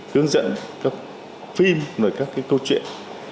hướng dẫn các phim các câu chuyện